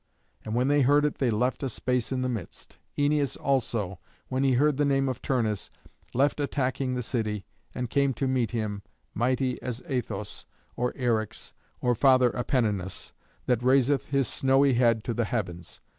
And when they heard it they left a space in the midst. Æneas also, when he heard the name of Turnus, left attacking the city, and came to meet him, mighty as Athos, or Eryx, or Father Apenninus, that raiseth his snowy head to the heavens.